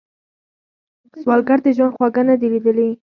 سوالګر د ژوند خواږه نه دي ليدلي